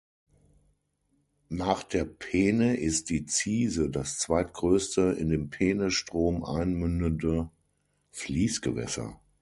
Nach der Peene ist die Ziese das zweitgrößte in den Peenestrom einmündende Fließgewässer.